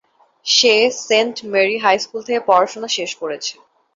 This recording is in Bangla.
সে সেন্ট মেরি হাই স্কুল থেকে পড়াশোনা শেষ করেছে।